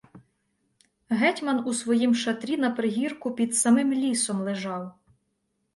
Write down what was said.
Гетьман у своїм шатрі на пригірку під самим лісом лежав.